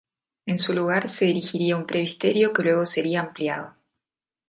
En su lugar se erigiría un presbiterio que luego sería ampliado.